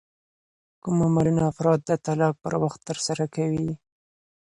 کوم عملونه افراد د طلاق پر وخت ترسره کوي؟